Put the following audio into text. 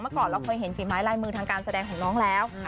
ก่อนเราเคยเห็นฝีไม้ลายมือทางการแสดงของน้องแล้ว